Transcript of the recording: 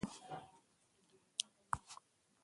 زردشت اورونه مړه شوي وو، برجونه یې د لرغوني مذهب پاتې شوني و.